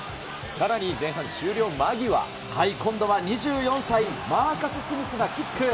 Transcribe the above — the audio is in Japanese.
さらに、今度は２４歳、マーカス・スミスがキック。